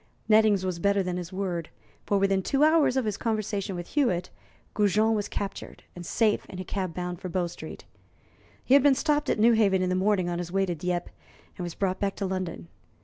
Nettings was better than his word, for within two hours of his conversation with Hewitt, Goujon was captured and safe in a cab bound for Bow Street. He had been stopped at Newhaven in the morning on his way to Dieppe, and was brought back to London.